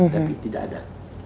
tapi tidak ada